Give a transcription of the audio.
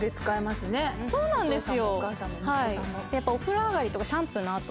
そうなんですよ。